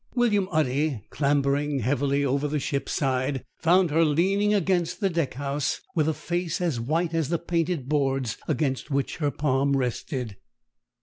William Udy, clambering heavily over the ship's side, found her leaning against the deck house, with a face as white as the painted boards against which her palm rested.